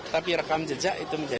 tapi rekam jejak itu menjadi